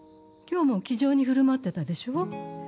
今日も気丈に振る舞ってたでしょ？